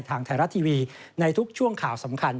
ทางไทยรัฐทีวีในทุกช่วงข่าวสำคัญ